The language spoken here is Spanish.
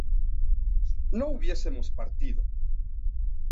¿no hubiésemos partido?